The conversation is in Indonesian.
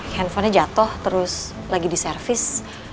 handphonenya jatoh terus lagi di servis